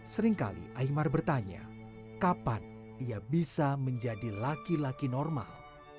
seringkali aymar bertanya kapan ia bisa menjadi laki laki normal